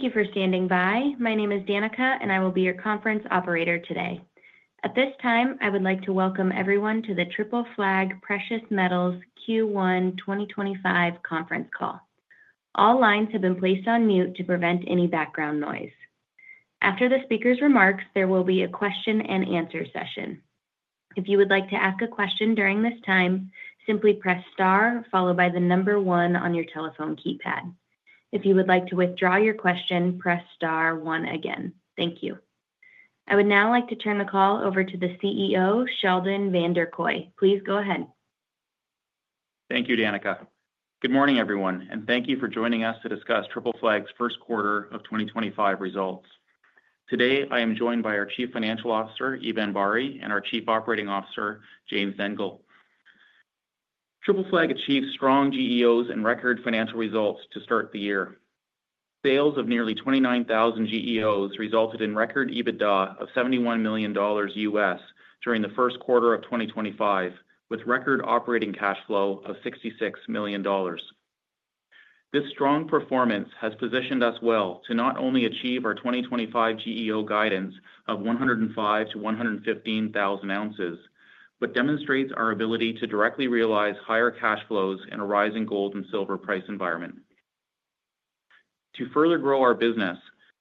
Thank you for standing by. My name is Danica, and I will be your conference operator today. At this time, I would like to welcome everyone to the Triple Flag Precious Metals Q1 2025 conference call. All lines have been placed on mute to prevent any background noise. After the speaker's remarks, there will be a question-and-answer session. If you would like to ask a question during this time, simply press star followed by the number one on your telephone keypad. If you would like to withdraw your question, press star one again. Thank you. I would now like to turn the call over to the CEO, Sheldon Vanderkooy. Please go ahead. Thank you, Danica. Good morning, everyone, and thank you for joining us to discuss Triple Flag's first quarter of 2025 results. Today, I am joined by our Chief Financial Officer, Eban Bari, and our Chief Operating Officer, James Dendle. Triple Flag achieved strong GEOs and record financial results to start the year. Sales of nearly 29,000 GEOs resulted in record EBITDA of $71 million during the first quarter of 2025, with record operating cash flow of $66 million. This strong performance has positioned us well to not only achieve our 2025 GEO guidance of 105,000-115,000 ounces, but demonstrates our ability to directly realize higher cash flows in a rising gold and silver price environment. To further grow our business,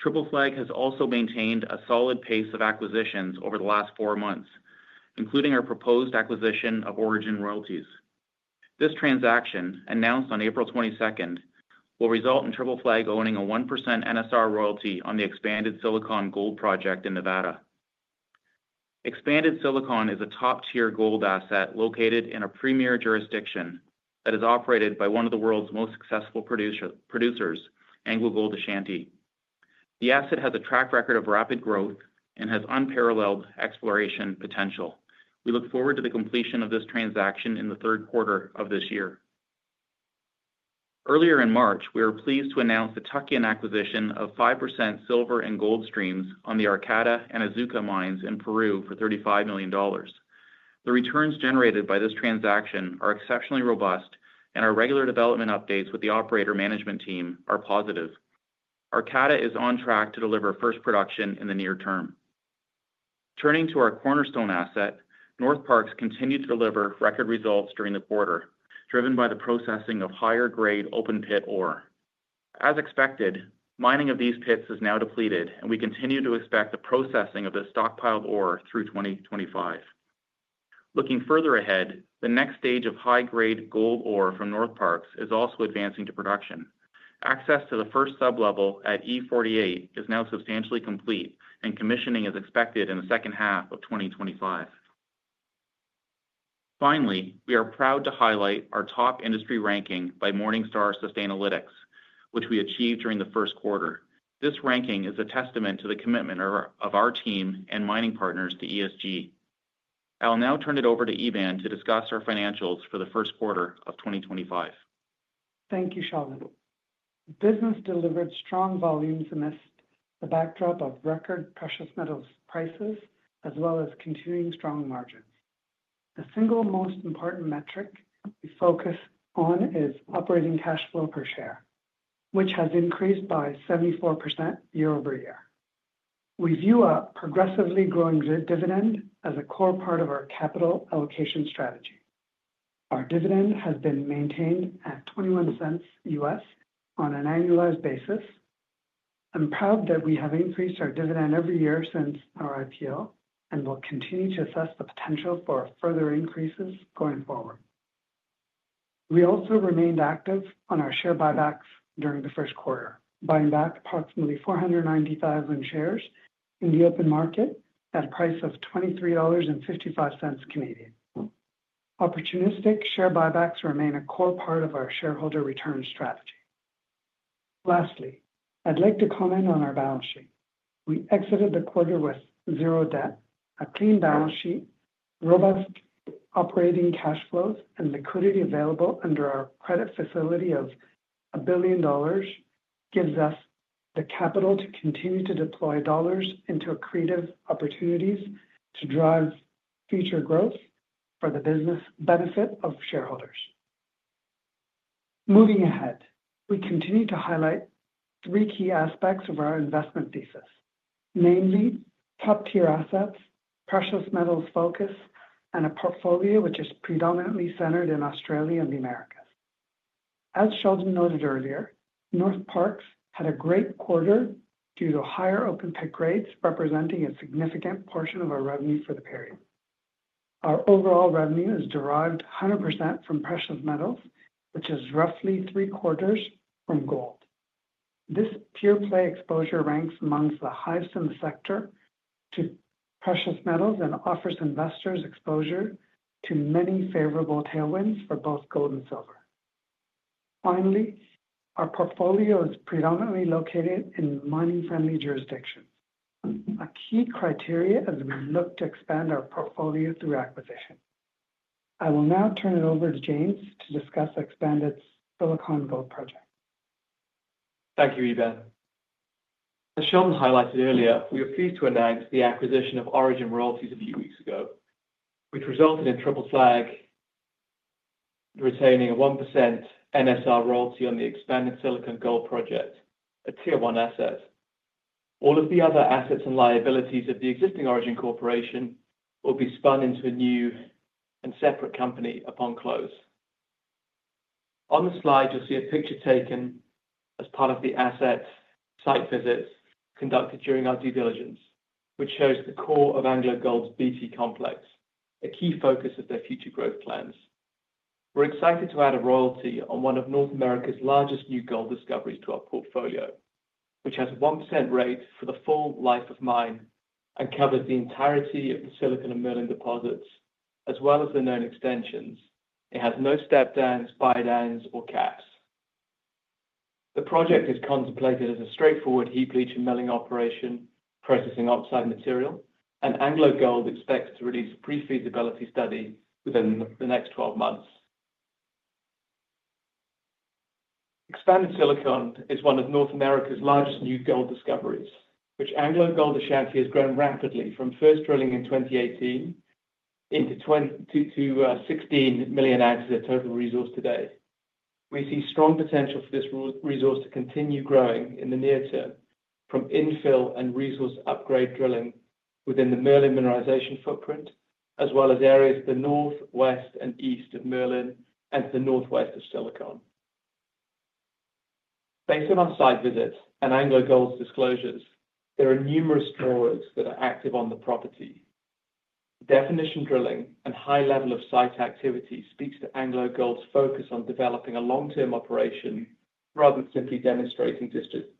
Triple Flag has also maintained a solid pace of acquisitions over the last four months, including our proposed acquisition of Orogen Royalties. This transaction, announced on April 22nd, will result in Triple Flag owning a 1% NSR royalty on the Expanded Silicon Gold project in Nevada. Expanded Silicon is a top-tier gold asset located in a premier jurisdiction that is operated by one of the world's most successful producers, AngloGold Ashanti. The asset has a track record of rapid growth and has unparalleled exploration potential. We look forward to the completion of this transaction in the third quarter of this year. Earlier in March, we were pleased to announce the tuck-in acquisition of 5% silver and gold streams on the Arcata and Azuca mines in Peru for $35 million. The returns generated by this transaction are exceptionally robust, and our regular development updates with the operator management team are positive. Arcata is on track to deliver first production in the near term. Turning to our cornerstone asset, Northparkes continued to deliver record results during the quarter, driven by the processing of higher-grade open-pit ore. As expected, mining of these pits is now depleted, and we continue to expect the processing of this stockpiled ore through 2025. Looking further ahead, the next stage of high-grade gold ore from Northparkes is also advancing to production. Access to the first sublevel at E-48 is now substantially complete, and commissioning is expected in the second half of 2025. Finally, we are proud to highlight our top industry ranking by Morningstar Sustainalytics, which we achieved during the first quarter. This ranking is a testament to the commitment of our team and mining partners to ESG. I'll now turn it over to Eban to discuss our financials for the first quarter of 2025. Thank you, Sheldon. Business delivered strong volumes amidst the backdrop of record precious metals prices, as well as continuing strong margins. The single most important metric we focus on is operating cash flow per share, which has increased by 74% year-over-year. We view a progressively growing dividend as a core part of our capital allocation strategy. Our dividend has been maintained at $0.21 US on an annualized basis. I'm proud that we have increased our dividend every year since our IPO and will continue to assess the potential for further increases going forward. We also remained active on our share buybacks during the first quarter, buying back approximately 490,000 shares in the open market at a price of 23.55 Canadian dollars. Opportunistic share buybacks remain a core part of our shareholder return strategy. Lastly, I'd like to comment on our balance sheet. We exited the quarter with zero debt, a clean balance sheet, robust operating cash flows, and liquidity available under our credit facility of $1 billion gives us the capital to continue to deploy dollars into creative opportunities to drive future growth for the business benefit of shareholders. Moving ahead, we continue to highlight three key aspects of our investment thesis, namely top-tier assets, precious metals focus, and a portfolio which is predominantly centered in Australia and the Americas. As Sheldon noted earlier, Northparkes had a great quarter due to higher open-pit grades, representing a significant portion of our revenue for the period. Our overall revenue is derived 100% from precious metals, which is roughly three quarters from gold. This pure play exposure ranks amongst the highest in the sector to precious metals and offers investors exposure to many favorable tailwinds for both gold and silver. Finally, our portfolio is predominantly located in mining-friendly jurisdictions, a key criteria as we look to expand our portfolio through acquisition. I will now turn it over to James to discuss Expanded Silicon Gold project. Thank you, Eban. As Sheldon highlighted earlier, we were pleased to announce the acquisition of Orogen Royalties a few weeks ago, which resulted in Triple Flag retaining a 1% NSR royalty on the Expanded Silicon Gold project, a tier one asset. All of the other assets and liabilities of the existing Orogen Corporation will be spun into a new and separate company upon close. On the slide, you'll see a picture taken as part of the asset site visits conducted during our due diligence, which shows the core of AngloGold's BT complex, a key focus of their future growth plans. We're excited to add a royalty on one of North America's largest new gold discoveries to our portfolio, which has a 1% rate for the full life of mine and covers the entirety of the Silicon and Merlin deposits, as well as the known extensions. It has no step downs, buy downs, or caps. The project is contemplated as a straightforward heap leach and milling operation processing oxide material, and AngloGold expects to release a pre-feasibility study within the next 12 months. Expanded Silicon is one of North America's largest new gold discoveries, which AngloGold Ashanti has grown rapidly from first drilling in 2018 into 16 million ounces of total resource today. We see strong potential for this resource to continue growing in the near term from infill and resource upgrade drilling within the Merlin mineralization footprint, as well as areas to the northwest and east of Merlin and to the northwest of Silicon. Based on our site visits and AngloGold's disclosures, there are numerous drawers that are active on the property. Definition drilling and high level of site activity speaks to AngloGold's focus on developing a long-term operation rather than simply demonstrating district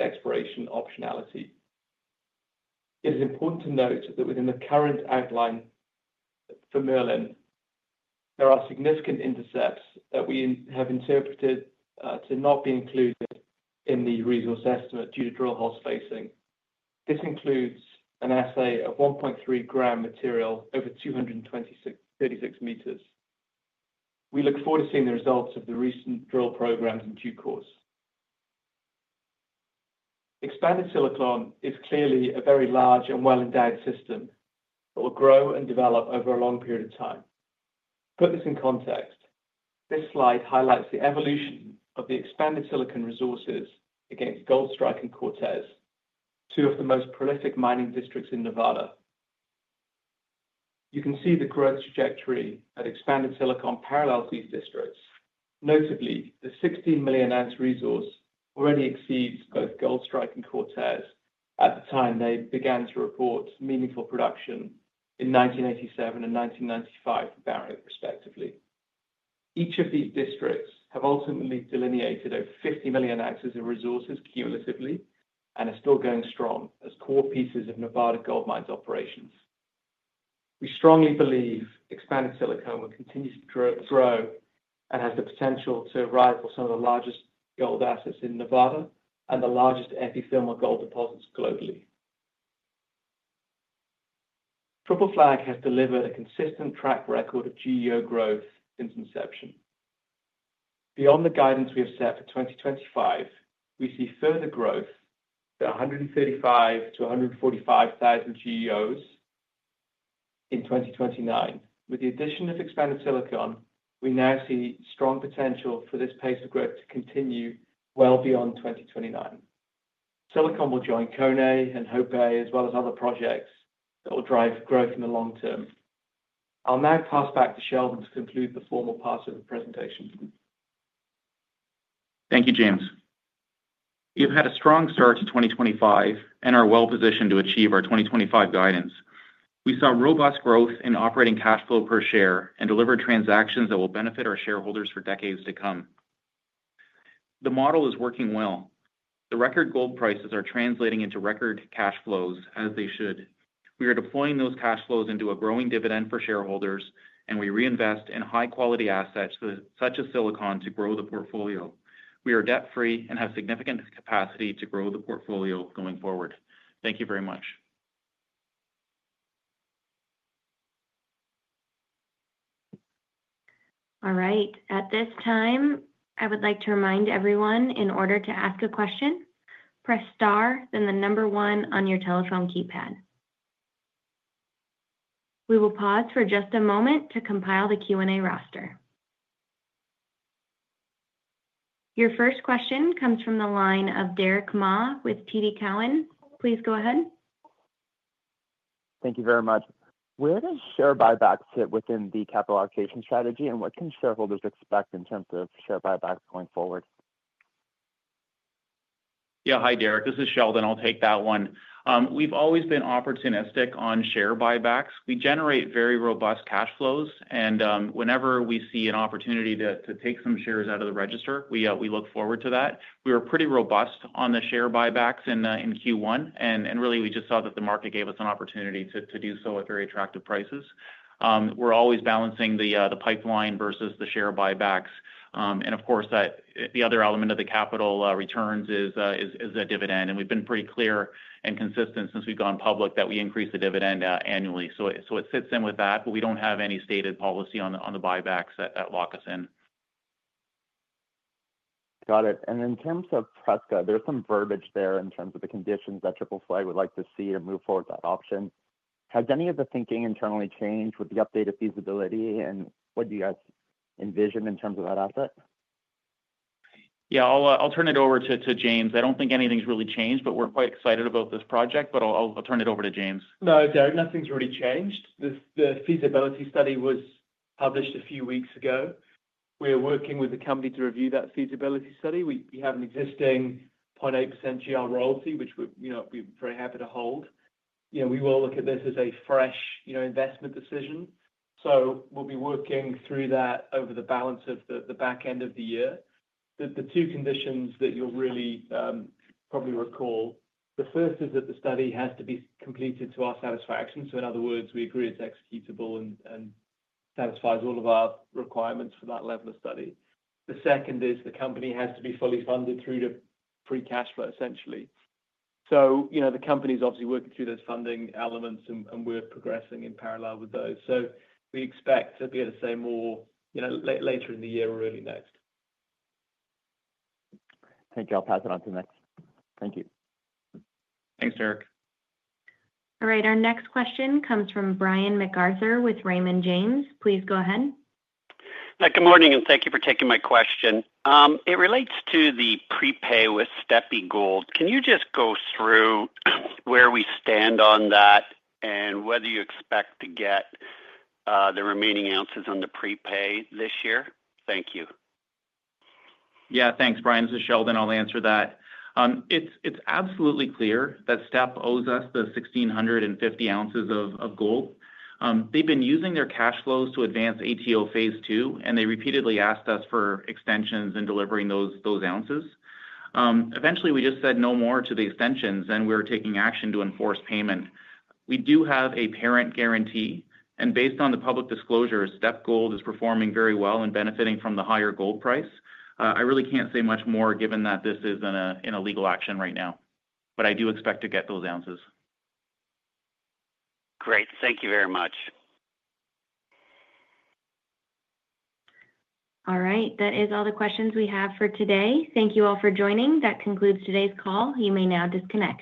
exploration optionality. It is important to note that within the current outline for Merlin, there are significant intercepts that we have interpreted to not be included in the resource estimate due to drill hole spacing. This includes an assay of 1.3 g material over 236 m. We look forward to seeing the results of the recent drill programs in due course. Expanded Silicon is clearly a very large and well-endowed system that will grow and develop over a long period of time. To put this in context, this slide highlights the evolution of the Expanded Silicon resources against Goldstrike and Cortez, two of the most prolific mining districts in Nevada. You can see the growth trajectory that Expanded Silicon parallels these districts. Notably, the 16 million ounce resource already exceeds both Goldstrike and Cortez at the time they began to report meaningful production in 1987 and 1995 respectively. Each of these districts have ultimately delineated over 50 million ounces of resources cumulatively and are still going strong as core pieces of Nevada gold mines operations. We strongly believe Expanded Silicon will continue to grow and has the potential to rival some of the largest gold assets in Nevada and the largest epithermal gold deposits globally. Triple Flag has delivered a consistent track record of GEO growth since inception. Beyond the guidance we have set for 2025, we see further growth to 135,000-145,000 GEOs in 2029. With the addition of Expanded Silicon, we now see strong potential for this pace of growth to continue well beyond 2029. Silicon will join Koné and Hope, as well as other projects that will drive growth in the long term. I'll now pass back to Sheldon to conclude the formal parts of the presentation. Thank you, James. We have had a strong start to 2025 and are well positioned to achieve our 2025 guidance. We saw robust growth in operating cash flow per share and delivered transactions that will benefit our shareholders for decades to come. The model is working well. The record gold prices are translating into record cash flows, as they should. We are deploying those cash flows into a growing dividend for shareholders, and we reinvest in high-quality assets such as Silicon to grow the portfolio. We are debt-free and have significant capacity to grow the portfolio going forward. Thank you very much. All right. At this time, I would like to remind everyone, in order to ask a question, press star, then the number one on your telephone keypad. We will pause for just a moment to compile the Q&A roster. Your first question comes from the line of Derick Ma with TD Cowen. Please go ahead. Thank you very much. Where does share buybacks fit within the capital allocation strategy, and what can shareholders expect in terms of share buybacks going forward? Yeah. Hi, Derick. This is Sheldon. I'll take that one. We've always been opportunistic on share buybacks. We generate very robust cash flows, and whenever we see an opportunity to take some shares out of the register, we look forward to that. We were pretty robust on the share buybacks in Q1, and really, we just saw that the market gave us an opportunity to do so at very attractive prices. We're always balancing the pipeline versus the share buybacks. Of course, the other element of the capital returns is a dividend. We've been pretty clear and consistent since we've gone public that we increase the dividend annually. It sits in with that, but we don't have any stated policy on the buybacks that lock us in. Got it. In terms of Prescott, there's some verbiage there in terms of the conditions that Triple Flag would like to see to move forward that option. Has any of the thinking internally changed with the updated feasibility, and what do you guys envision in terms of that asset? Yeah, I'll turn it over to James. I don't think anything's really changed, but we're quite excited about this project, but I'll turn it over to James. No, Derick, nothing's really changed. The feasibility study was published a few weeks ago. We are working with the company to review that feasibility study. We have an existing 0.8% GR royalty, which we're very happy to hold. We will look at this as a fresh investment decision. We will be working through that over the balance of the back end of the year. The two conditions that you'll really probably recall, the first is that the study has to be completed to our satisfaction. In other words, we agree it's executable and satisfies all of our requirements for that level of study. The second is the company has to be fully funded through to pre-cash flow, essentially. The company is obviously working through those funding elements, and we're progressing in parallel with those. We expect to be able to say more later in the year or early next. Thank you. I'll pass it on to the next. Thank you. Thanks, Derick. All right. Our next question comes from Brian MacArthur with Raymond James. Please go ahead. Good morning, and thank you for taking my question. It relates to the prepay with Steppe Gold. Can you just go through where we stand on that and whether you expect to get the remaining ounces on the prepay this year? Thank you. Yeah, thanks, Brian. This is Sheldon. I'll answer that. It's absolutely clear that Steppe owes us the 1,650 ounces of gold. They've been using their cash flows to advance ATO phase two, and they repeatedly asked us for extensions in delivering those ounces. Eventually, we just said no more to the extensions, and we're taking action to enforce payment. We do have a parent guarantee, and based on the public disclosure, Steppe Gold is performing very well and benefiting from the higher gold price. I really can't say much more given that this is in a legal action right now, but I do expect to get those ounces. Great. Thank you very much. All right. That is all the questions we have for today. Thank you all for joining. That concludes today's call. You may now disconnect.